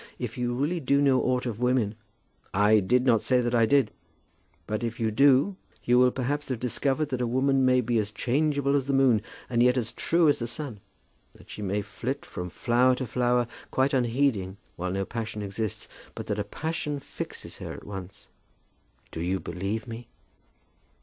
If you really do know aught of women " "I did not say that I did." "But if you do, you will perhaps have discovered that a woman may be as changeable as the moon, and yet as true as the sun; that she may flit from flower to flower, quite unheeding while no passion exists, but that a passion fixes her at once. Do you believe me?"